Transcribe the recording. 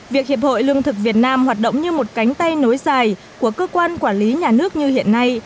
việc hiệp hội lương thực việt nam hoạt động như một cánh tay nối dài của cơ quan quản lý nhà nước như hiện nay